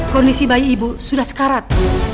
kondisi bayi ibu sudah sekarat